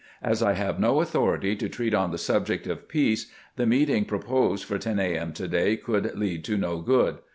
As I have no authority to treat on the subject of peace, the meeting pro posed for 10 A. M. to day could lead to no good.